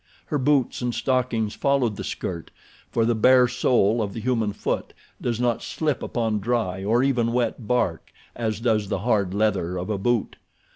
Her boots and stockings followed the skirt, for the bare sole of the human foot does not slip upon dry or even wet bark as does the hard leather of a boot.